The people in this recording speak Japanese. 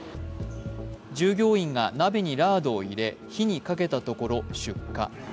従業員が鍋にラードを入れ火にかけたところ出火。